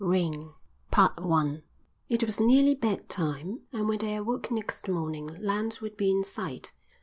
VII Rain It was nearly bed time and when they awoke next morning land would be in sight.